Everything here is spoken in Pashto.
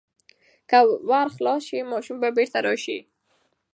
که ور خلاص شي، ماشوم به بیرته راشي.